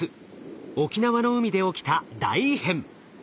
沖縄の海で起きた大異変。